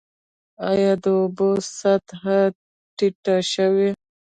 آیا د اوبو سطحه ټیټه شوې؟